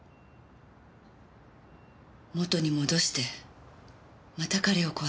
元に戻してまた彼を壊す。